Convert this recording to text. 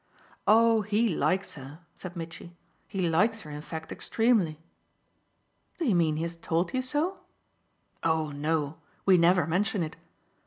"Oh he likes her," said Mitchy. "He likes her in fact extremely." "Do you mean he has told you so?" "Oh no we never mention it!